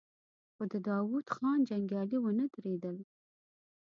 خو د داوود خان جنګيالي ونه درېدل.